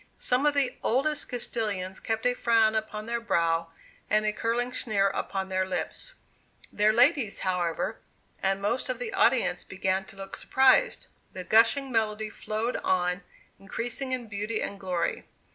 Some of the oldest Castilians kept a frown upon their brow and a curling sneer upon their lip; their ladies, however, and most of the audience began to look surprised. The gushing melody flowed on increasing in beauty and glory.